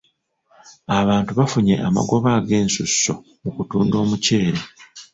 Abantu bafunye amagoba ag'ensusso mu kutunda omuceere.